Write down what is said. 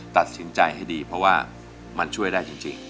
ตัดสินใจให้ดีเพราะว่ามันช่วยได้จริง